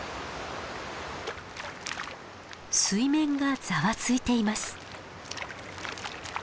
水面がざわついています。